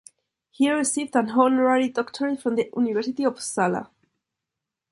He received an honorary doctorate from the University of Uppsala.